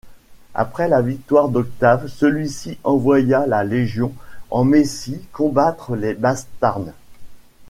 Après la victoire d’Octave, celui-ci envoya la légion en Mésie combattre les Bastarnes.